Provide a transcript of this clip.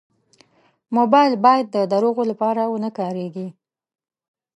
موبایل باید د دروغو لپاره و نه کارېږي.